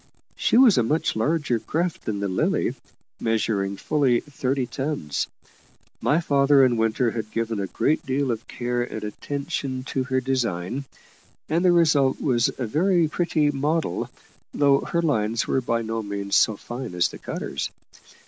She was a much larger craft than the Lily, measuring fully thirty tons. My father and Winter had given a great deal of care and attention to her design, and the result was a very pretty model, though her lines were by no means so fine as the cutter's.